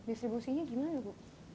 distribusinya gimana bu